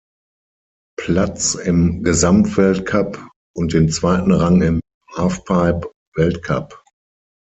Platz im Gesamtweltcup und den zweiten Rang im Halfpipe-Weltcup.